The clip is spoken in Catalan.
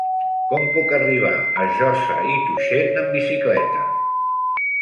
Com puc arribar a Josa i Tuixén amb bicicleta?